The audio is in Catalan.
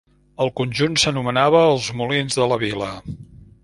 El conjunt s'anomenava els Molins de la Vila.